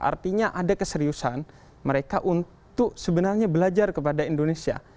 artinya ada keseriusan mereka untuk sebenarnya belajar kepada indonesia